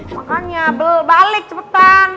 makanya balik cepetan